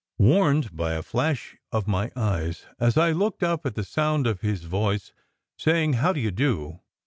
Warned by a flash of my eyes as I looked up at the sound of his voice, saying, "How do you do?